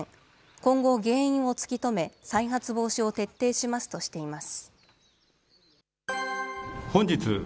今後、原因を突き止め、再発防止を徹底しますとしています。